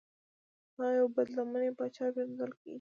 هغه یو بد لمنی پاچا پیژندل کیږي.